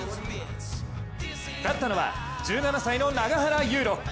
勝ったのは１７歳の永原悠路。